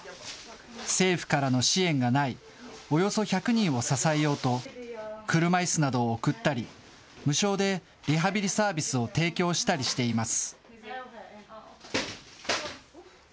政府からの支援がない、およそ１００人を支えようと、車いすなどを贈ったり、無償でリハビリサービスを提供したりしています。